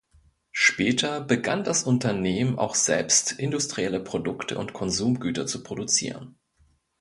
Später begann das Unternehmen auch selbst industrielle Produkte und Konsumgüter zu produzieren.